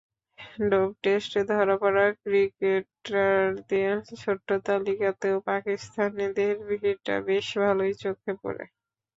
Dope টেস্টে ধরা পড়া ক্রিকেটারদের ছোট্ট তালিকাতেও পাকিস্তানিদের ভিড়টা বেশ ভালোই চোখে পড়ে।